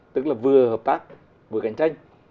tức là vừa hợp tác vừa cạnh tranh